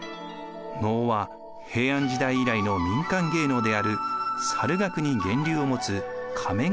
能は平安時代以来の民間芸能である猿楽に源流を持つ仮面劇です。